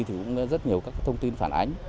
thì cũng rất nhiều các thông tin phản ánh